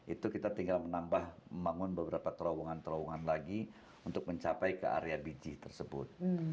itu kita tinggal menambah membangun beberapa terowongan terowongan lagi untuk mencapai ke area biji tersebut